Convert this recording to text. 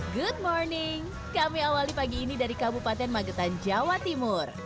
good morning kami awali pagi ini dari kabupaten magetan jawa timur